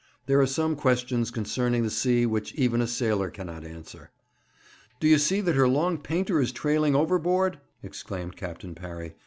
There are some questions concerning the sea which even a sailor cannot answer. 'Do you see that her long painter is trailing overboard?' exclaimed Captain Parry.